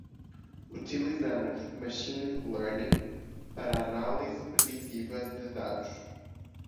Utilizamos Machine Learning para análise preditiva de dados.